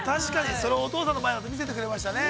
それをお父さんの前で見せてくださいましたね。